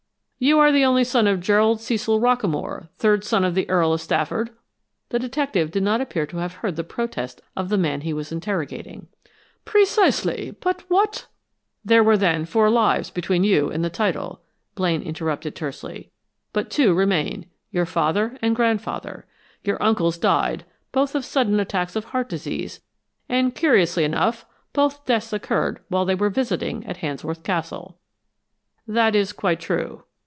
"You are the only son of Gerald Cecil Rockamore, third son of the Earl of Stafford?" The detective did not appear to have heard the protest of the man he was interrogating. "Precisely. But what " "There were, then, four lives between you and the title," Blaine interrupted, tersely. "But two remain, your father and grandfather. Your uncles died, both of sudden attacks of heart disease, and curiously enough, both deaths occurred while they were visiting at Handsworth Castle." "That is quite true."